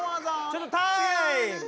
ちょっとタイム！